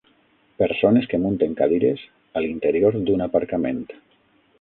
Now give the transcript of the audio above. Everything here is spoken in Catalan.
Persones que munten cadires a l'interior d'un aparcament